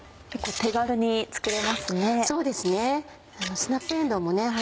結構手軽に作れますね。